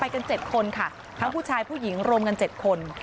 กัน๗คนค่ะทั้งผู้ชายผู้หญิงรวมกัน๗คน